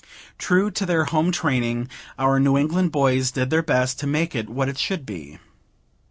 True to their home training, our New England boys did their best to make it what it should be.